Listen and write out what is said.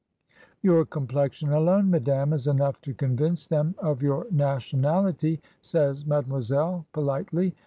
"Your complexion alone, madame, is enough to convince them of your nationality," says Made moiselle politely.